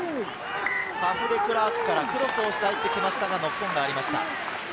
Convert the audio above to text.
ファフ・デクラークから、クロスをして入ってきましたが、ノックオン。